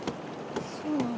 そうなんだ。